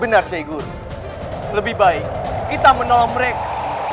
benar seigur lebih baik kita menolong mereka